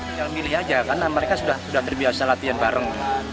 tinggal milih aja karena mereka sudah terbiasa latihan bareng